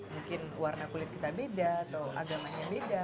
mungkin warna kulit kita beda atau agamanya beda